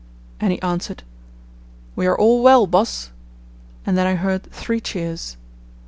and he answered, "We are all well, boss," and then I heard three cheers.